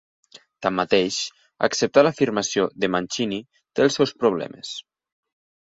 Tanmateix, acceptar l'afirmació de Mancini té els seus problemes.